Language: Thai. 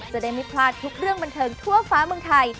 จะได้ไม่พลาดทุกเรื่องบันเทิงทั่วฟ้าเมืองไทย